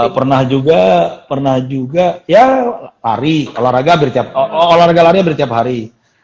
pernah juga ya lari olahraga lari setiap hari